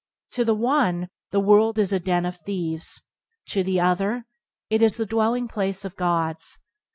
To the one, the world is a den of thieves; to the other, it is the dwelling place of gods.